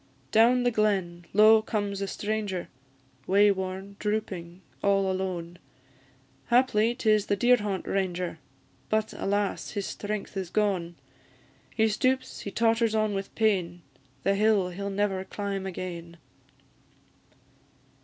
Down the glen, lo! comes a stranger, Wayworn, drooping, all alone; Haply, 'tis the deer haunt Ranger! But alas! his strength is gone! He stoops, he totters on with pain, The hill he 'll never climb again.